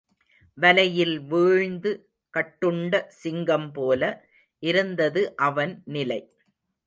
வலையில் வீழ்ந்து கட்டுண்ட சிங்கம்போல இருந்தது அவன் நிலை.